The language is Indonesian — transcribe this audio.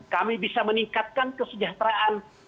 kami bisa meningkatkan kesejahteraan